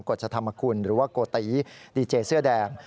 ฎชธรรมคุณหรือว่าโกติดีเจเสื้อแดง